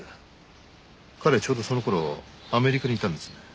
彼ちょうどその頃アメリカにいたんですね。